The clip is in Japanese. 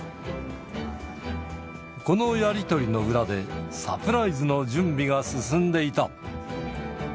このやり取りの裏で、サプライズの準備が進んでいた。